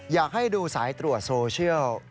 อยากให้ดูสายตรวจโซเชียล